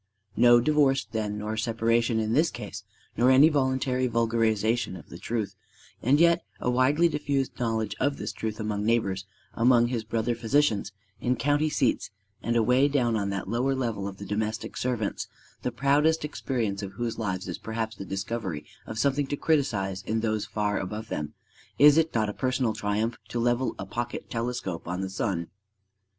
No divorce then nor separation in his case; nor any voluntary vulgarization of the truth, and yet a widely diffused knowledge of this truth among neighbors, among his brother physicians, in county seats, and away down on that lower level of the domestic servants, the proudest experience of whose lives is perhaps the discovery of something to criticise in those far above them: is it not a personal triumph to level a pocket telescope on the sun?